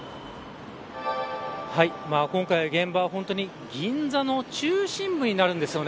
今回、現場は銀座の中心部になるんです。